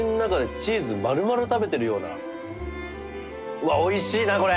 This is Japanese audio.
うわっおいしいなこれ！